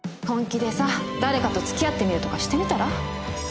本気でさ誰かとつきあってみるとかしてみたら？